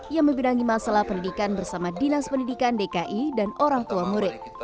yang membidangi masalah pendidikan bersama dinas pendidikan dki dan orang tua murid